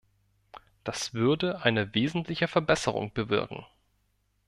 Das würde eine wesentliche Verbesserung bewirken.